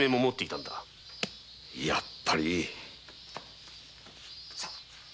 やっぱり！